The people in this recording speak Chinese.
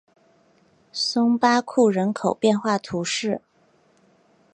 松巴库人口变化图示